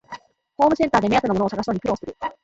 ホームセンターで目当てのものを探すのに苦労する